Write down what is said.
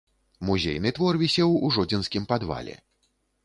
Музейны твор вісеў у жодзінскім падвале.